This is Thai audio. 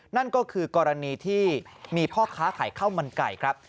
นั่นก็คือกรณีที่มีพ่อค้าขายข้าวมันไก่ครับ